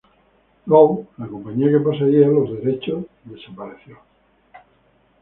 Gold, la compañía que poseía los derechos, desapareciera.